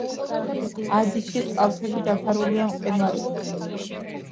ადიშის კალთები დაფარულია მყინვარებით.